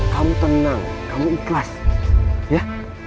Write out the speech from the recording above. kamu tenang kamu ikhlas ya